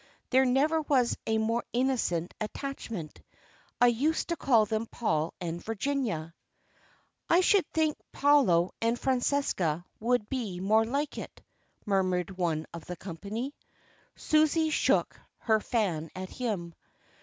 There never was a more innocent attachment. I used to call them Paul and Virginia." "I should think Paolo and Francesca would be more like it," murmured one of the company. Susie shook her fan at him.